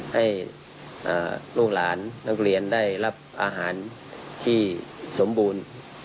ให้ลูกหลานนักเรียนได้รับอาหารที่สมบูรณ์